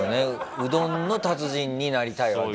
うどんの達人になりたいわけだからね。